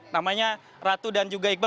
namanya ratu dan juga iqbal